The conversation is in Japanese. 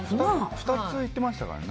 ２つ言ってましたね。